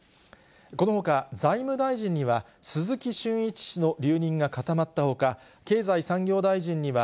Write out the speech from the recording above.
このほか、財務大臣には鈴木俊一氏の留任が固まったほか、経済産業大臣には